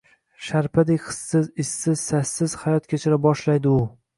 Sharpadek hissiz, izsiz, sassiz hayot kechira boshlaydi u